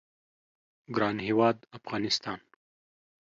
ګران هیواد افغانستان